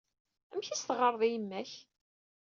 Amek ay as-teɣɣareḍ i yemma-k?